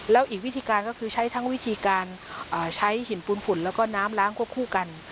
แล้วอีกวิธีการก็คือใช้ทั้งวิธีการใช้หินปูนฝุ่นแล้วก็น้ำล้างควบคู่กัน